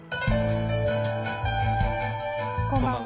こんばんは。